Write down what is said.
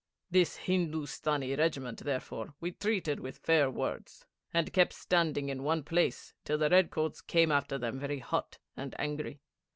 This Hindu stani regiment, therefore, we treated with fair words, and kept standing in one place till the redcoats came after them very hot and angry.